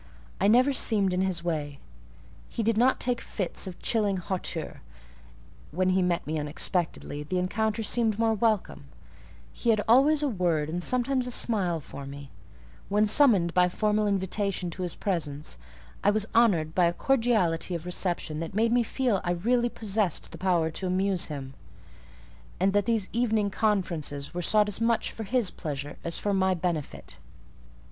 I never seemed in his way; he did not take fits of chilling hauteur: when he met me unexpectedly, the encounter seemed welcome; he had always a word and sometimes a smile for me: when summoned by formal invitation to his presence, I was honoured by a cordiality of reception that made me feel I really possessed the power to amuse him, and that these evening conferences were sought as much for his pleasure as for my benefit.